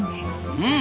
うん。